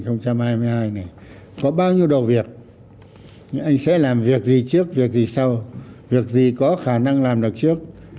có bao nhiêu đồ việc anh sẽ làm việc gì trước việc gì sau việc gì có khả năng làm được trước